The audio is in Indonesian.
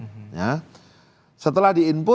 setelah di input hasil rekapitulasinya ditampilkan